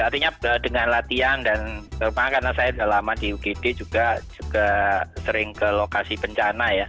artinya dengan latihan dan karena saya sudah lama di ugd juga sering ke lokasi bencana ya